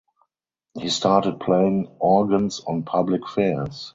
He started playing organs on public fairs.